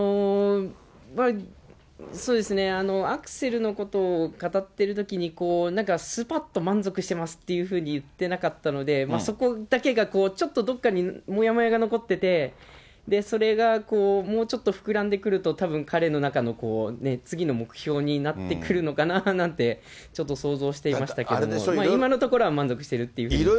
そうですね、アクセルのことを語ってるときに、なんかすぱっと満足してますっていうふうに言ってなかったので、そこだけがちょっとどっかにもやもやが残ってて、それがもうちょっと膨らんでくると、たぶん彼の中の次の目標になってくるのかななんて、ちょっと想像していましたけれども、今のところは満足してるっていうふうに。